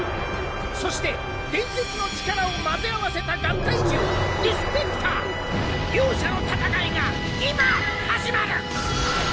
そして伝説の力を混ぜ合わせた合体獣ディスペクター。両者の戦いが今始まる！